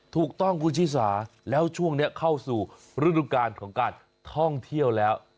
ถูกต้องคุณชิสาแล้วช่วงนี้เข้าสู่ฤดูการของการท่องเที่ยวแล้ว